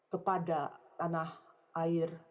kepada tanah air